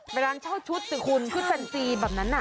เวลาเช่าชุดคุณชุดเป็นจีนแบบนั้นนะ